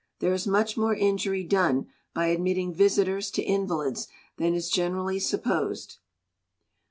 There is much more injury done by admitting visitors to invalids than is generally supposed.